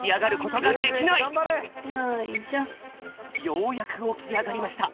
ようやくおきあがりました。